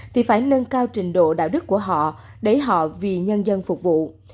thì phải nâng cao trình độ đạo đức của họ để họ vì nhân dân phục vụ